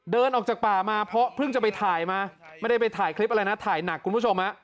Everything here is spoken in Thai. เดินออกจากป่ามาเพราะเพิ่งจะไปถ่ายมาไม่ได้ไปถ่ายคลิปอะไรนะถ่ายหนักคุณผู้ชม